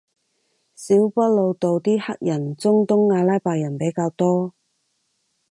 小北路度啲黑人中東阿拉伯人比較多